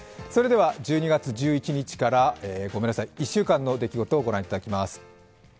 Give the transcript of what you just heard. １２月１１日から１週間の出来事をご覧いただきます。